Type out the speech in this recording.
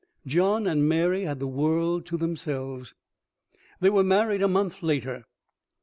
John and Mary had the world to themselves.... V They were married a month later.